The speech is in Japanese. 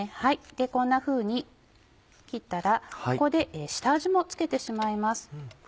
こんなふうに切ったらここで下味も付けてしまいます。